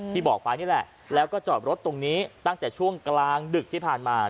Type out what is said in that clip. ที่บอกไปนี่แหละแล้วก็จอดรถตรงนี้ตั้งแต่ช่วงกลางดึกที่ผ่านมา